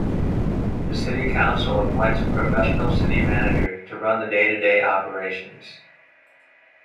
The city council appoints a professional city manager to run the day-to-day operations.